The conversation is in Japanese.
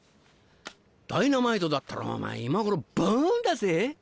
ダイナマイトだったらお前今頃バン！だぜ。